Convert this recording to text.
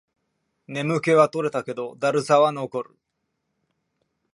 眠気は取れたけど、だるさは残る